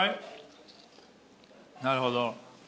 なるほど。